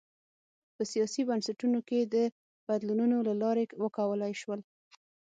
په سیاسي بنسټونو کې د بدلونونو له لارې وکولای شول.